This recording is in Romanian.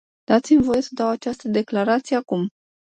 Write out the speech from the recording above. Dați-mi voie să dau această declarație acum.